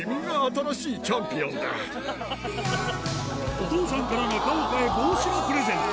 お父さんから中岡へ帽子のプレゼント